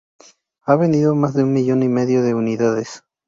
Ha vendido más de un millón y medio de unidades.